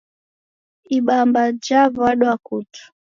Ibamba jaw'adwa kutu